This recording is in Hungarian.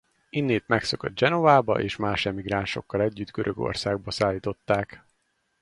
Innét megszökött Genovába és más emigránsokkal együtt Görögországba szállították.